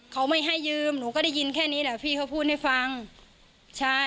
เขาไม่ให้ยืมหนูก็ได้ยินแค่นี้แหละพี่เขาพูดให้ฟังใช่